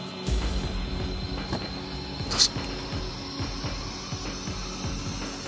どうぞ。